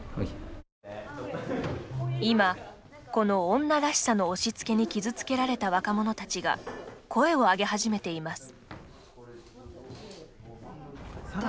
今、この女らしさの押しつけに傷つけられた若者たちが声を上げ始めています。